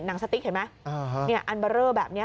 หนังสติกเห็นมั้ยเนี่ยอัลบั็รเรอร์แบบเนี้ย